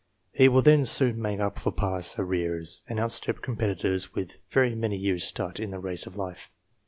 He will then soon make up for past arrears, and outstrip competitors with very many years' start, in the race of life.